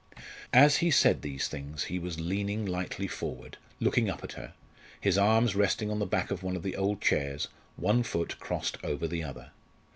As he said these things he was leaning lightly forward, looking up at her, his arms resting on the back of one of the old chairs, one foot crossed over the other.